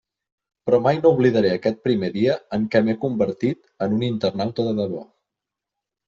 Però mai no oblidaré aquest primer dia en què m'he convertit en un internauta de debò.